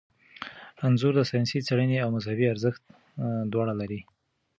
انځور د ساینسي څیړنې او مذهبي ارزښت دواړه لري.